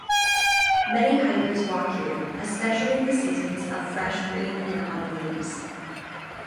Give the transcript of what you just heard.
Many hikers walk here especially in the seasons of fresh green and autumn leaves.